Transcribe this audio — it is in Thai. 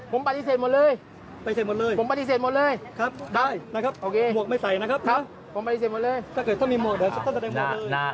ผมปฏิเสธหมดเลย